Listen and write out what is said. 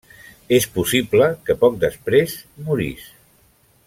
És possible que poc després morís.